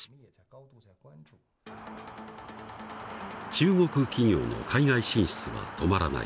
中国企業の海外進出は止まらない。